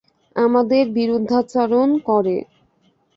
আমাদের বিরুদ্ধাচারণ করে।